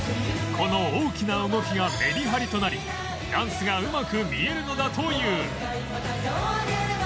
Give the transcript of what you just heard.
この大きな動きがメリハリとなりダンスがうまく見えるのだという